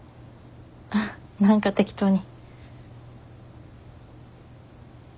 あっ何か適当に。